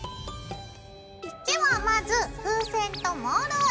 ではまず風船とモールを選びます。